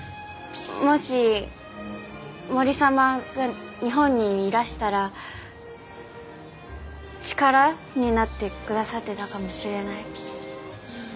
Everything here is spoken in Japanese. もし森様が日本にいらしたら力になってくださってたかもしれない。